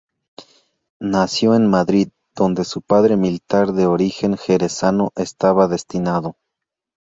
Nació en Madrid, donde su padre militar de origen jerezano estaba destinado.